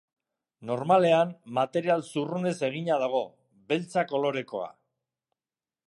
Normalean, material zurrunez egina dago, beltza kolorekoa.